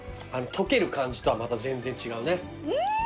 溶ける感じとはまた全然違うね。